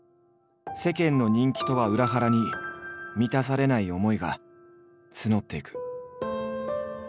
世間の人気とは裏腹に満たされない思いが募っていく。